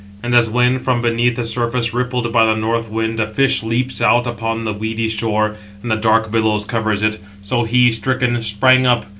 And as when, from beneath the surface, rippled 767 by the north wind, a fish leaps out upon the weedy shore, and the dark billow covers it, so he, stricken, sprang up.